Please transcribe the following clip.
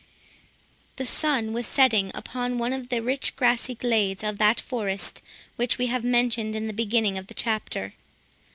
The sun was setting upon one of the rich grassy glades of that forest, which we have mentioned in the beginning of the chapter.